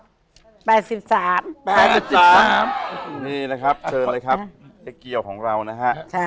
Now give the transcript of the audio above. นี่นะครับเชิญเลยครับเจ๊เกียวของเรานะฮะ